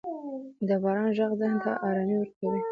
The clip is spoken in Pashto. • د باران ږغ ذهن ته آرامي ورکوي.